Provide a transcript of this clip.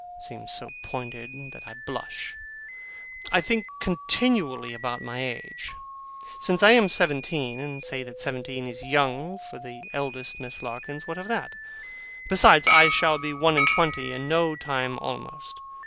seems so pointed, that I blush. I think continually about my age. Say I am seventeen, and say that seventeen is young for the eldest Miss Larkins, what of that? Besides, I shall be one and twenty in no time almost.